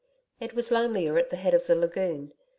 It was lonelier at the head of the lagoon.